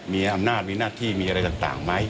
มีอำนาจมีหน้าที่มีอะไรต่างไหม